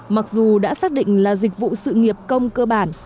mặc dù đã xác định là dịch vụ sự nghiệp công cơ bản